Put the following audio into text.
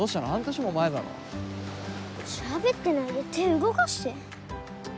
しゃべってないで手動かして！